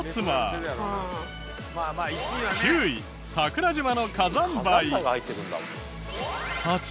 ９位桜島の火山灰。